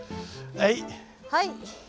はい！